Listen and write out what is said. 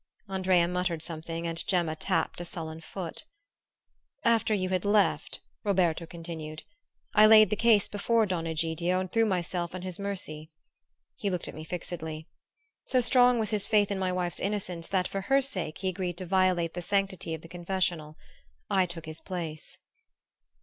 Andrea muttered something and Gemma tapped a sullen foot. "After you had left," Roberto continued, "I laid the case before Don Egidio and threw myself on his mercy." He looked at me fixedly. "So strong was his faith in my wife's innocence that for her sake he agreed to violate the sanctity of the confessional. I took his place."